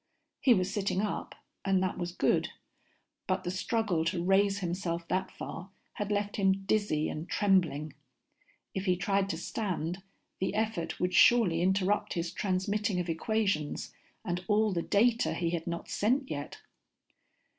He was sitting up and that was good, but the struggle to raise himself that far had left him dizzy and trembling. If he tried to stand, the effort would surely interrupt his transmitting of equations and all the data he had not sent yet.